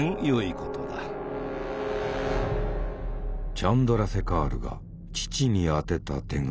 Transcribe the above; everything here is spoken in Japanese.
チャンドラセカールが父に宛てた手紙。